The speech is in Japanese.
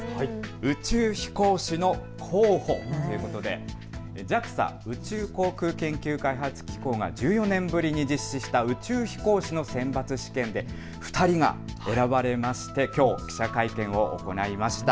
宇宙飛行士の候補ということでＪＡＸＡ・宇宙航空開発研究機構が１４年ぶりに実施した宇宙飛行士の選抜試験で２人が選ばれましてきょう記者会見を行いました。